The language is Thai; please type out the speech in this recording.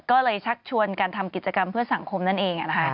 ก็เลยชักชวนการทำกิจกรรมเพื่อสังคมนั่นเอง